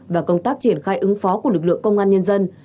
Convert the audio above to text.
và công tác triển khai ứng phó của lực lượng công an nhân dân